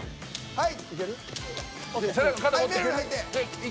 はい。